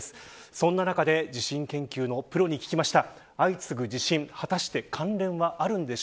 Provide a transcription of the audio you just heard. そんな中で地震研究のプロに聞きました。